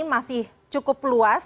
masih cukup luas